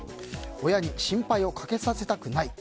親に心配をかけさせたくない。